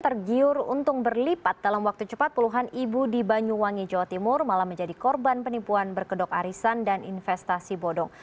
tergiur untung berlipat dalam waktu cepat puluhan ibu di banyuwangi jawa timur malah menjadi korban penipuan berkedok arisan dan investasi bodong